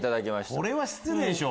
これは失礼でしょ！